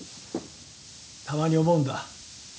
たまに思うんだ。